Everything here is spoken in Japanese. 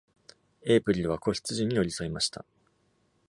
エイプリルは子羊に寄り添いました。